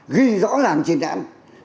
ghi rõ làng trên đạn